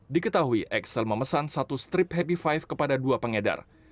diketahui excel memesan satu strip happy five kepada dua pengedar